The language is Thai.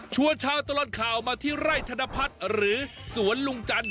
ชาวตลอดข่าวมาที่ไร่ธนพัฒน์หรือสวนลุงจันท